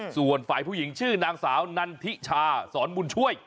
ส่วนฝ่ายผู้หญิงชื่อนางสาวนันทิชาสอนบุญช่วย